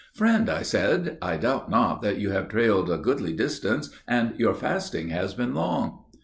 "Friend," I said, "I doubt not that you have trailed a goodly distance, and your fasting has been long?"